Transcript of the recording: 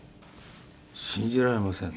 信じられません。